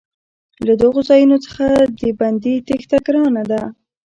له دغو ځایونو څخه د بندي تېښته ګرانه وه.